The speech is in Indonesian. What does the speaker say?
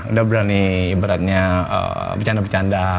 udah berani ibaratnya bercanda bercanda